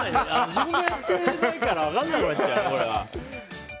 自分でやってないから分からなくなっちゃうよね。